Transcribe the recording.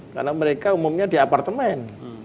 karena mereka umumnya di apartemen